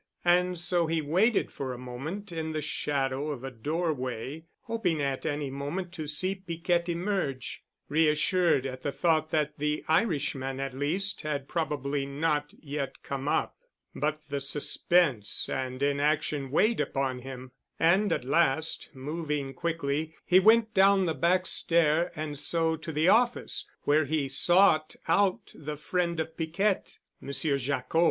And so he waited for a moment in the shadow of a doorway, hoping at any moment to see Piquette emerge, reassured at the thought that the Irishman at least had probably not yet come up. But the suspense and inaction weighed upon him, and at last, moving quickly, he went down the back stair and so to the office, where he sought out the friend of Piquette, Monsieur Jacquot.